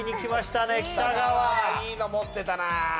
いいの持ってたな。